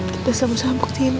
kita selalu sambut ini